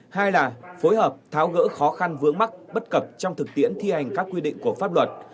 hai là phối hợp tháo gỡ khó khăn vướng mắt bất cập trong thực tiễn thi hành các quy định của pháp luật